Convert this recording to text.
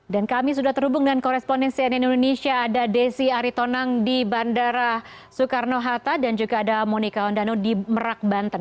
dan kami sudah terhubung dengan koresponensi ann indonesia ada desi aritonang di bandara soekarno hatta dan juga ada monika ondano di merak banten